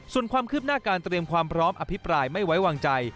ส่วนความคืบหน้าการเตรียมความพร้อมอภิปรายไม่ไว้วางใจ